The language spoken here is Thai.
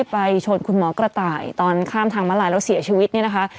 ไปชนคุณหมอกระต่ายตอนข้ามทางมาลายแล้วเสียชีวิตเนี่ยนะคะ